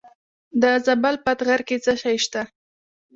د زابل په اتغر کې څه شی شته؟